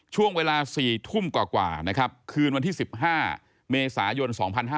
ช่วงเวลา๔ทุ่มกว่านะครับคืนวันที่๑๕เมษายน๒๕๕๙